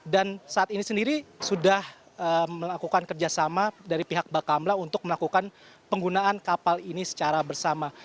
dan saat ini sendiri sudah melakukan kerjasama dari pihak bacambla untuk melakukan penggunaan kapal ini secara bersama